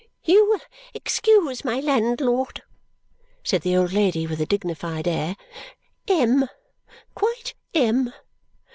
"You will excuse my landlord," said the old lady with a dignified air. "M, quite M!